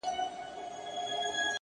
اوس و شپې ته هيڅ وارخطا نه يمه!